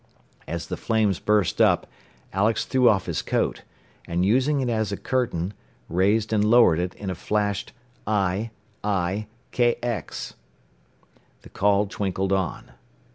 As the flames burst up Alex threw off his coat, and using it as a curtain, raised and lowered it in a flashed "I, I, KX!" The call twinkled on.